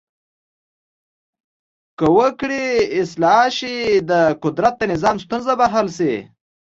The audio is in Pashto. که وګړي اصلاح شي د قدرت د نظام ستونزه به حل شي.